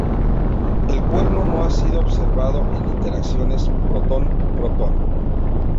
El cuerno no ha sido observado en interacciones protón-protón.